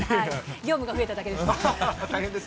業務が増えただけです。